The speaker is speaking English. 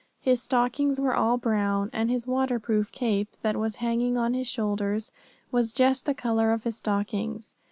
His stockings were all brown, and his waterproof cape that was hanging on his shoulders was just the color of his stockings.